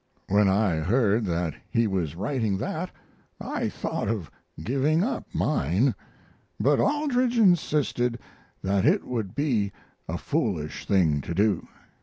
When I heard that he was writing that I thought of giving up mine, but Aldrich insisted that it would be a foolish thing to do.